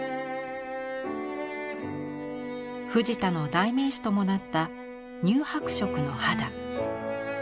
藤田の代名詞ともなった乳白色の肌。